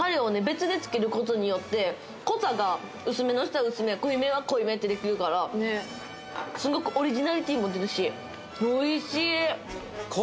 別でつけることによって濃さが薄めの人は薄め濃いめは濃いめってできるからねっすごくオリジナリティーも出るしおいしい